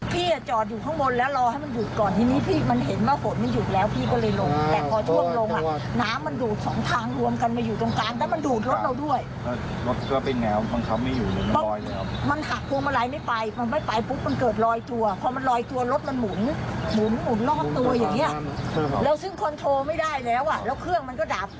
พี่อ่ะจอดอยู่ข้างบนแล้วรอให้มันหยุดก่อนทีนี้พี่มันเห็นว่าฝนมันหยุดแล้วพี่ก็เลยลงแต่พอท่วมลงอ่ะน้ำมันหยุดสองทางรวมกันมาอยู่ตรงกลางแต่มันหยุดรถเราด้วย